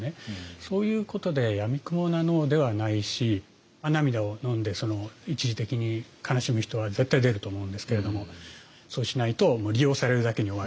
そういうことでやみくもなＮＯではないし涙をのんで一時的に悲しむ人は絶対出ると思うんですけれどもそうしないと利用されるだけに終わる。